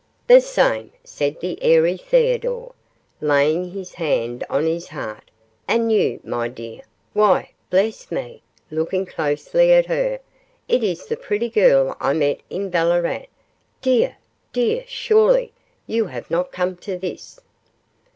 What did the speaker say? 'The same,' said the airy Theodore, laying his hand on his heart, 'and you, my dear why, bless me,' looking closely at her, 'it is the pretty girl I met in Ballarat dear, dear surely you have not come to this.